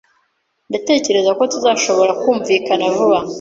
Ndatekereza ko tuzashobora kumvikana vuba.